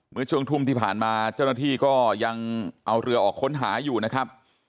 เมื่อช่วงทุ่มที่ผ่านมาเจ้าหน้าที่ก็ยังเอาเรือออกค้นหาอยู่นะครับ